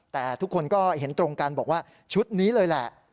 แต่ทุกคนก็เห็นตรงกันบอกว่าชุดนี้เลยแหละ